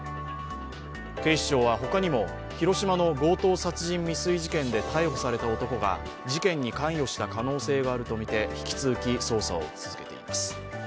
警視庁はほかにも広島の強盗殺人未遂事件で逮捕された男が事件に関与した可能性があるとみて引き続き捜査を続けています。